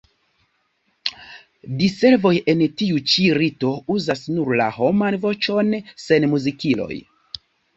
Diservoj en tiu ĉi rito uzas nur la homan voĉon sen muzikiloj.